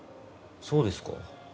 そうですか？